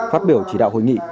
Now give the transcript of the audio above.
phát biểu chỉ đạo hội nghị